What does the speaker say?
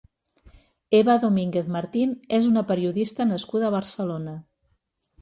Eva Domínguez Martín és una periodista nascuda a Barcelona.